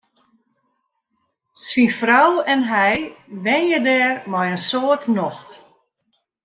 Syn frou en hy wenje dêr mei in soad nocht.